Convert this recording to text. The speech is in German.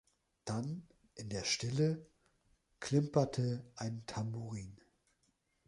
Dann, in der Stille, klimperte ein Tamburin.